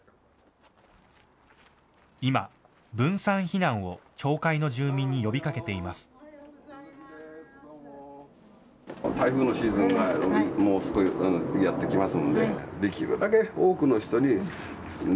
今、分散避難を町会の住民に呼びかけています。